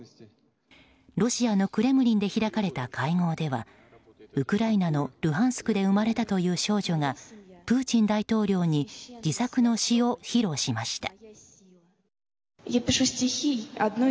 ロシアのクレムリンで開かれた会合ではウクライナのルハンスクで生まれたという少女がプーチン大統領に自作の詩を披露しました。